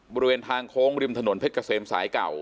บริเวณทางโค้งริมถนนเพชรเกษมสายเก่า